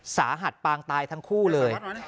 สาหัสปางตายทั้งคู่เลย